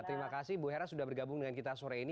terima kasih bu hera sudah bergabung dengan kita sore ini